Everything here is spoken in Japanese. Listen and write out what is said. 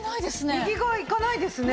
右側行かないですね。